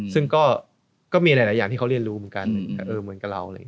ซึ่งก็มีหลายส่วนอย่างที่เขาเรียนรู้เหมือนกับเรา